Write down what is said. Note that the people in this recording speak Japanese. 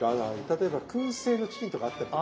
例えばくん製のチキンとかあったりとか。